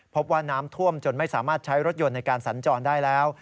พบว่าน้ำท่วมจนไม่สามารถใช้รถยนต์ในการสัญจรได้แล้ว